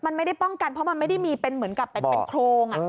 มันไม่ได้ป้องกันเพราะมันไม่ได้มีเป็นเหมือนกับเป็นโครง